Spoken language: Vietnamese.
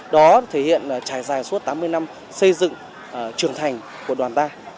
đó thể hiện trải dài suốt tám mươi năm xây dựng trưởng thành của đoàn ta